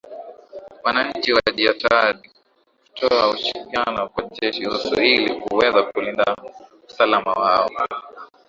Wananchi wajiatahidi kutoa ushirikiano kwa Jeshi Usu ili kuweza kulinda usalama wao